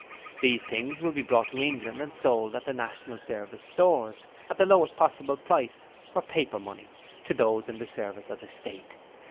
These things will be brought to England and sold at the National Service Stores, at the lowest possible price, for paper money, to those in the service of the State.